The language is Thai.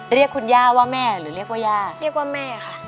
เรียกคุณย่าว่าแม่หรือเรียกว่าย่าเรียกว่าแม่ค่ะ